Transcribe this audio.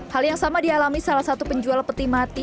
hal yang sama dialami salah satu penjual peti mati